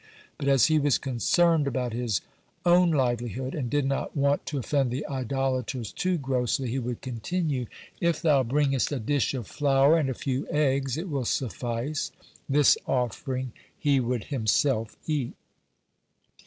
But as he was concerned about his won livelihood, and did not want to offend the idolaters too grossly, he would continue: "If thou bringest a dish of flour and a few eggs, it will suffice." This offering he would himself eat.